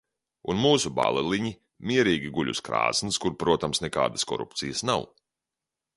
Un mūsu bāleliņi mierīgi guļ uz krāsns, kur, protams, nekādas korupcijas nav!